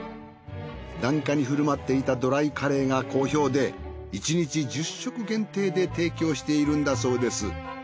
檀家に振る舞っていたドライカレーが好評で１日１０食限定で提供しているんだそうです。